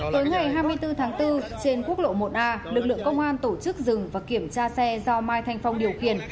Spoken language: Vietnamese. tối ngày hai mươi bốn tháng bốn trên quốc lộ một a lực lượng công an tổ chức dừng và kiểm tra xe do mai thanh phong điều khiển